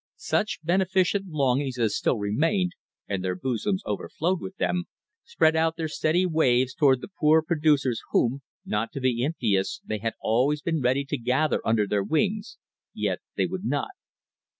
Such beneficent longings as still remained (and their bosoms overflowed with them) spread out their steady waves toward the poor producers LAYING THE FOUNDATIONS OF A TRUST whom, not to be impious, they had always been ready to gather under their wings, yet they would not.